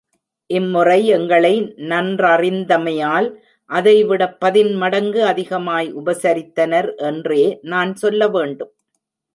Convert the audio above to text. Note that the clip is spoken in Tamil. இம்முறை எங்களை நன்றறிந்தமையால் அதைவிடப் பதின்மடங்கு அதிகமாய் உபசரித்தனர் என்றே நான் சொல்லவேண்டும்.